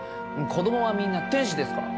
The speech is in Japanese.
子どもはみんな天使ですから。